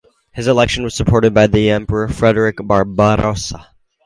His election was supported by the Emperor Frederick Barbarossa.